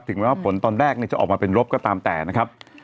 แม้ว่าผลตอนแรกจะออกมาเป็นลบก็ตามแต่นะครับ